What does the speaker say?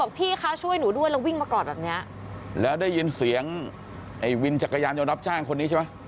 พี่คะช่วยหนูด้วยแล้ววิ่งมากอดแบบเนี้ยแล้วได้ยินเสียงไอ้วินจักรยานยนต์รับจ้างคนนี้ใช่ไหม